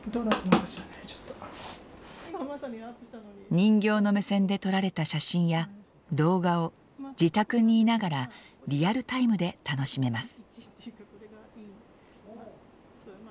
人形の目線で撮られた写真や動画を自宅にいながらリアルタイムで楽しめます。